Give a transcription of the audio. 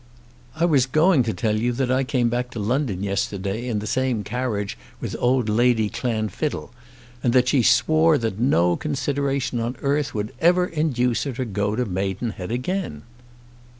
"I was going to tell you that I came back to London yesterday in the same carriage with old Lady Clanfiddle, and that she swore that no consideration on earth would ever induce her to go to Maidenhead again."